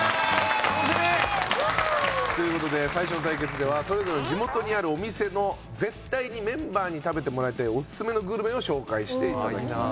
楽しみ！ということで最初の対決ではそれぞれ地元にあるお店の絶対にメンバーに食べてもらいたいオススメのグルメを紹介していただきます。